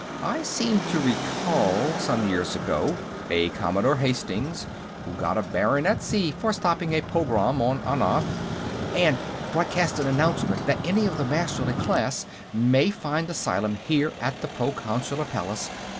I seem to recall, some years ago, a Commodore Hastings, who got a baronetcy for stopping a pogrom on Anath...." "And broadcast an announcement that any of the Masterly class may find asylum here at the Proconsular Palace.